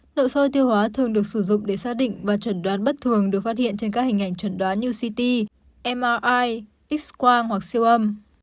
nội soi tiêu hóa thường được sử dụng để xác định và trần đoán bất thường được phát hiện trên các hình ảnh trần đoán như ct mri x quang hoặc siêu âm